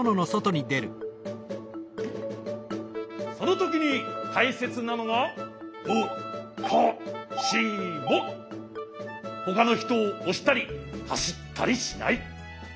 そのときにたいせつなのがほかのひとをおしたりはしったりしない。